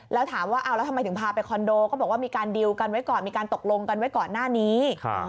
แล้วถามว่าทำไมถึงพาไปคอนโดละก็บอกว่ามีการตกลงกันไว้ก่อนหน้านี้